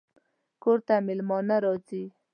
کور ته مېلمانه راځي